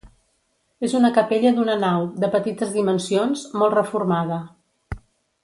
És una capella d'una nau, de petites dimensions, molt reformada.